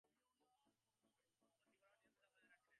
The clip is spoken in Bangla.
মন্ত্রী বরাবর নিজের কথা বজায় রাখিলেন।